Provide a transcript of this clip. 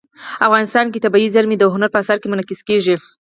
افغانستان کې طبیعي زیرمې د هنر په اثار کې منعکس کېږي.